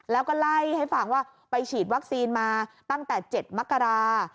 แล้วก็ไล่ให้ฟังว่าไปฉีดวัคซีนมาตั้งแต่๗มกรา